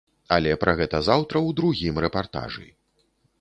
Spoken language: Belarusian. Але пра гэта заўтра у другім рэпартажы.